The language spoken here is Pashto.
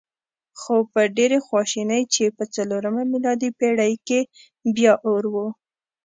خو په ډېرې خواشینۍ چې په څلورمه میلادي پېړۍ کې بیا اور و.